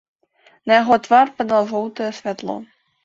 На яго твар падала жоўтае святло.